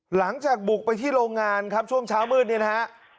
หลังจากบุกไปที่โรงงานครับช่วงเช้ามืดนี่นะฮะ